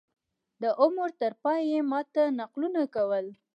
د عمر تر پایه یې ما ته نکلونه کول.